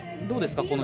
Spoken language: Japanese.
どうですか？